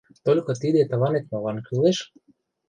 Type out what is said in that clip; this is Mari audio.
Только тиде тыланет молан кӱлеш?